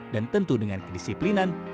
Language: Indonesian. dan tentu dengan kedisiplinan